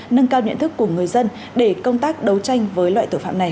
nâng cao nhận thức của người dân để công tác đấu tranh với loại tội phạm này